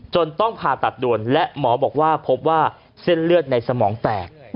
ต้องผ่าตัดด่วนและหมอบอกว่าพบว่าเส้นเลือดในสมองแตก